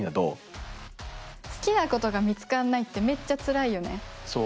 好きなことが見つからないってめっちゃつらいよね。